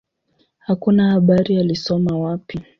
Hakuna habari alisoma wapi.